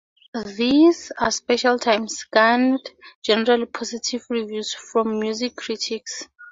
"These Are Special Times" garnered generally positive reviews from music critics.